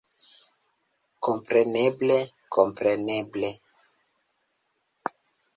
Kompreneble, kompreneble!